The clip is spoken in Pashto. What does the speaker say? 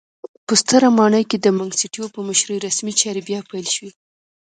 په ستره ماڼۍ کې د منګیسټیو په مشرۍ رسمي چارې بیا پیل شوې.